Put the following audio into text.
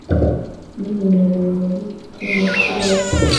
n’ibinyarumuri byo mu kirere,